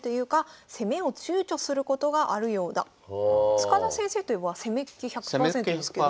塚田先生といえば攻めっ気１００％ですけど。